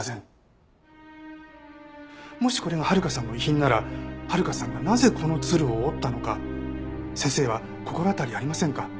もしこれが遥さんの遺品なら遥さんがなぜこの鶴を折ったのか先生は心当たりありませんか？